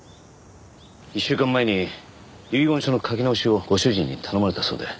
１週間前に遺言書の書き直しをご主人に頼まれたそうで。